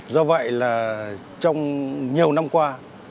do vậy là trong nhiều năm qua